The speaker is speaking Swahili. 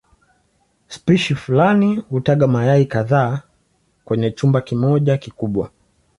Spishi fulani hutaga mayai kadhaa kwenye chumba kimoja kikubwa.